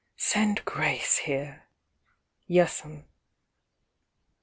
"Send Grace here." "Yes, 'm."